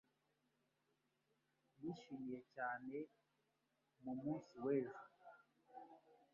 Yishimiye cyane mu munsi w'ejo.